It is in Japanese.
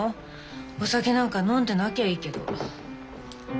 お酒なんか飲んでなきゃいいけど。